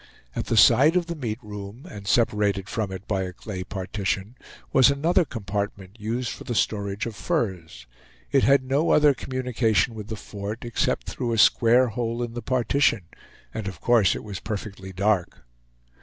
At the side of the meat room, and separated from it by a clay partition, was another compartment, used for the storage of furs. It had no other communication with the fort, except through a square hole in the partition; and of course it was perfectly dark.